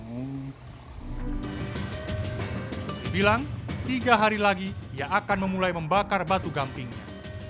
bilang tiga hari lagi ia akan memulai membakar batu gampingnya